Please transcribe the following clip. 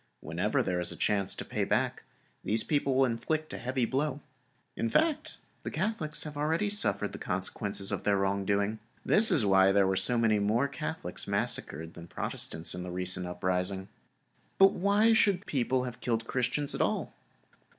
Whenever there is a chance to pay back, these people will inflict a heavy blow. In fact, these Catholics have already suffered the consequences of their wrong doing; this is why there were so many more Catholics massacred than Protestants in the recent uprising. But why should the people have killed the Christians at all?